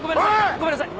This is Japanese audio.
ごめんなさい。